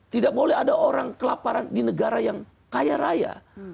tidak boleh ada orang kelaparan di negara yang kaya raya